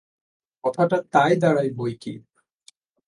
কথাটা তাই দাড়ায় বৈকি।